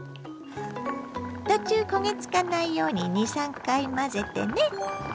途中焦げつかないように２３回混ぜてね。